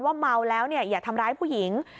เมาแล้วอย่าทำร้ายผู้หญิง